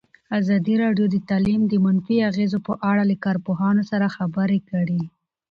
ازادي راډیو د تعلیم د منفي اغېزو په اړه له کارپوهانو سره خبرې کړي.